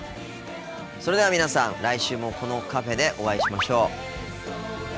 それでは皆さん来週もこのカフェでお会いしましょう。